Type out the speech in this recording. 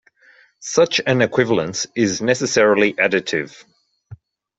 Such an equivalence is necessarily additive.